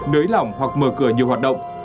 nới lỏng hoặc mở cửa nhiều hoạt động